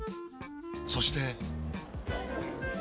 そして。